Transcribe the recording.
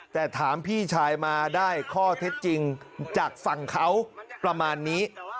แต่ถามพี่ชายมาได้ข้อเท็จจริงจากฝั่งเขาประมาณนี้